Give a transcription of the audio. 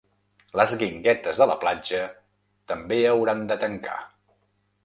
Les guinguetes de la platja també hauran de tancar.